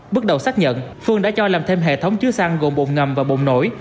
bước đầu xác nhận phương đã cho làm thêm hệ thống chứa xăng gồm bộn ngầm và bộn nổi